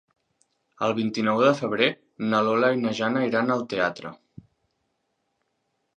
El vint-i-nou de febrer na Lola i na Jana iran al teatre.